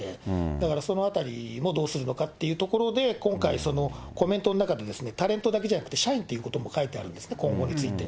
だからそのあたりもどうするのかというところで、今回、コメントの中でタレントだけじゃなくて社員ということも書いてあるんですね、今後について。